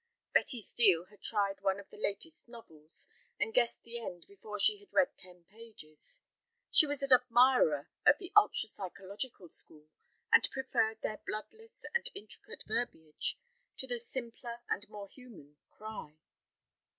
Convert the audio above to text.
Betty Steel had tried one of the latest novels, and guessed the end before she had read ten pages; she was an admirer of the ultra psychological school, and preferred their bloodless and intricate verbiage to the simpler and more human "cry."